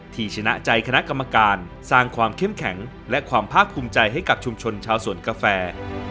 ที่ชนะใจคณะกรรมการสร้างความเข้มแข็งและความภาคภูมิใจให้กับชุมชนชาวสวนกาแฟ